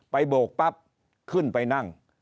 โบกปั๊บขึ้นไปนั่ง